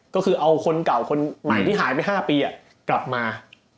ก็คือเอาคนเก่าคนใหม่ที่หายไป๕ปีกลับมา